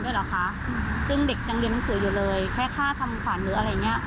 รอประกันทุกอย่างคือรอประกันหมดเลยค่ะ